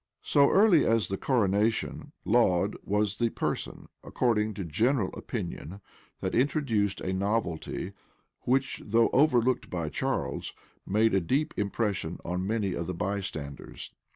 So early as the coronation, Laud was the person, according to general opinion, that introduced a novelty which, though overlooked by Charles, made a deep impression on many of the bystanders.